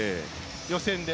予選で。